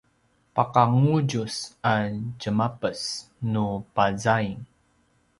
paka ngudjus a djemapes nu pazaing